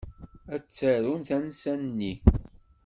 Ad tarum tansa-nni.